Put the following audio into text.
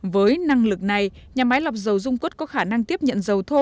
với năng lực này nhà máy lọc dầu dung quất có khả năng tiếp nhận dầu thô